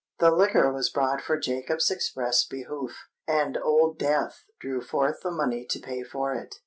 The liquor was brought for Jacob's express behoof; and Old Death drew forth the money to pay for it.